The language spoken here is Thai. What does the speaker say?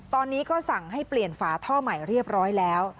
ตอนนี้ก็สั่งให้เปลี่ยนฝาท่อใหม่เรียบร้อยแล้ว